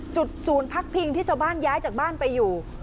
ศูนย์พักพิงที่ชาวบ้านย้ายจากบ้านไปอยู่